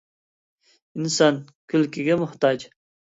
ئىنسان كۈلكىگە موھتاج.